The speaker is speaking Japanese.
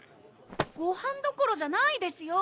ごはんどころじゃないですよ